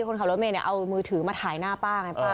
คนขับรถเมย์เนี่ยเอามือถือมาถ่ายหน้าป้าไงป้า